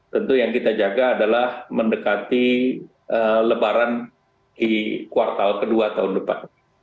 tentu yang kita jaga adalah mendekati lebaran di kuartal kedua tahun depan